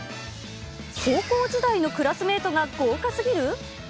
高校時代のクラスメートが豪華すぎる？